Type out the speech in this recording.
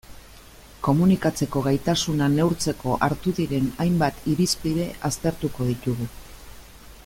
Komunikatzeko gaitasuna neurtzeko hartu diren hainbat irizpide aztertuko ditugu.